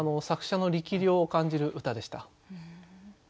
作者の力量を感じる歌でした。